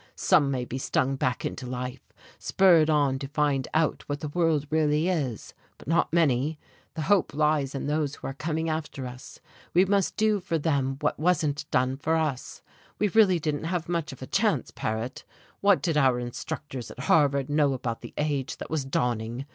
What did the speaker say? Some may be stung back into life, spurred on to find out what the world really is, but not many. The hope lies in those who are coming after us we must do for them what wasn't done for us. We really didn't have much of a chance, Paret. What did our instructors at Harvard know about the age that was dawning?